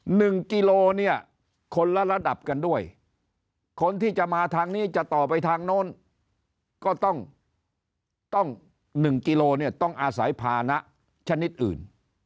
กิโลเนี่ยคนละระดับกันด้วยคนที่จะมาทางนี้จะต่อไปทางโน้นก็ต้องต้องหนึ่งกิโลเนี่ยต้องอาศัยภานะชนิดอื่น